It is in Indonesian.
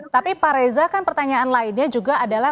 tapi pak reza kan pertanyaan lainnya juga adalah